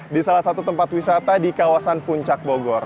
di salah satu tempat wisata di kawasan puncak bogor